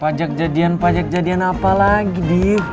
pajak jadian pajak jadian apa lagi